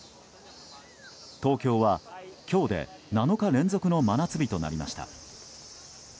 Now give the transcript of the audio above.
東京は今日で７日連続の真夏日となりました。